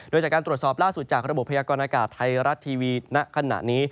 โดยจากการตรวจสอบล่าสุดจากระบบพยากรณากาศไทยรัฐทีวีณขณะนี้